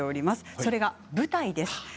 それが舞台です。